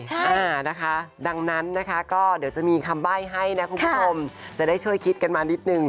ใช่นะคะดังนั้นนะคะก็เดี๋ยวจะมีคำใบ้ให้นะคุณผู้ชมจะได้ช่วยคิดกันมานิดนึง